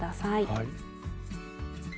はい。